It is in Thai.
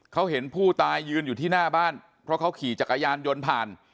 เขาเห็นผู้ตายยืนอยู่ที่หน้าบ้านเพราะเขาขี่จักรยานยนต์ผ่าน